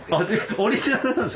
オリジナルなんですか？